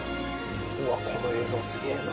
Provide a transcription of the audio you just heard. うわこの映像すげえな。